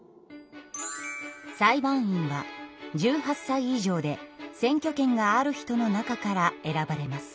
裁判員は１８歳以上で選挙権がある人の中から選ばれます。